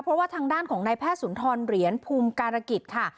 เพราะว่าทางด้านของนายแพทย์สุนทรเหรียญภูมิการกิจค่ะ